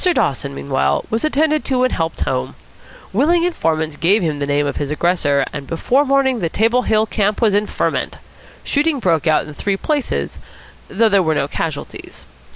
Dawson, meanwhile, was attended to and helped home. Willing informants gave him the name of his aggressor, and before morning the Table Hill camp was in ferment. Shooting broke out in three places, though there were no casualties.